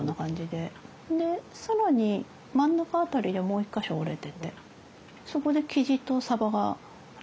で更に真ん中辺りでもう一か所折れててそこでキジとサバに切り替わるんです。